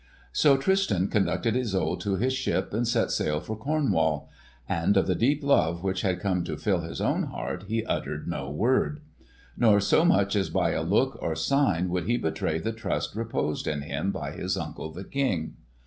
So Tristan conducted Isolde to his ship and set sail for Cornwall; and of the deep love which had come to fill his own heart he uttered no word; nor so much as by a look or sign would he betray the trust reposed in him by his uncle the King.